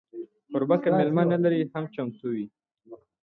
کوربه که میلمه نه لري، هم چمتو وي.